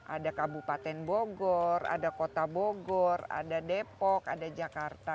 ada kabupaten bogor ada kota bogor ada depok ada jakarta